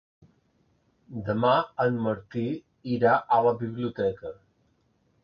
Demà en Martí irà a la biblioteca.